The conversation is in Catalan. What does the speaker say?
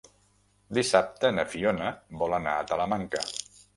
Dissabte na Fiona vol anar a Talamanca.